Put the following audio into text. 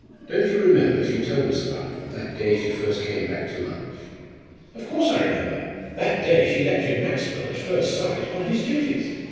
Don't you remember she told us about them that day she first came back to lunch?" "Of course I remember! That day she lectured Maxwell, at first sight, on his duties.